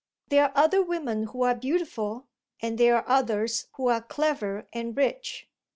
"There are other women who are beautiful, and there are others who are clever and rich."